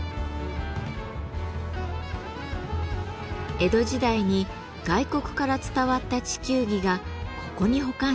江戸時代に外国から伝わった地球儀がここに保管されています。